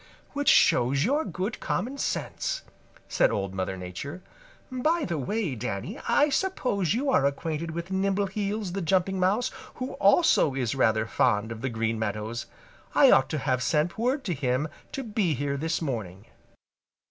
"Which shows your good common sense," said Old Mother Nature. "By the way, Danny, I suppose you are acquainted with Nimbleheels the Jumping Mouse, who also is rather fond of the Green Meadows. I ought to have sent word to him to be here this morning."